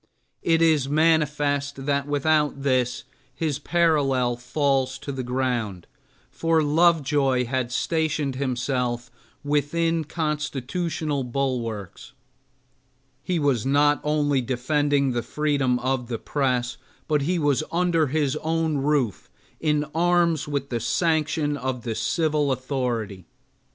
It is manifest that without this his parallel falls to the ground, for Lovejoy had stationed himself within constitutional bulwarks. He was not only defending the freedom of the press, but he was under his own roof in arms with the sanction of the civil authority.